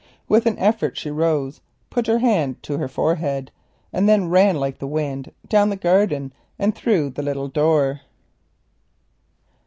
With an effort she rose, put her hand to her forehead, and then ran like the wind down the garden and through the little door.